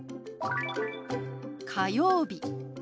「火曜日」。